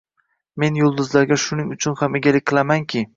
Men yulduzlarga shuning uchun ham egalik qilamanki